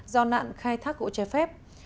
do nạn khai thác gỗ che phép